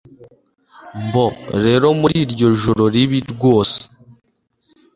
bo rero, muri iryo joro ribi rwose